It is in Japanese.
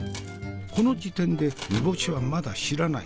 この時点で煮干しはまだ知らない。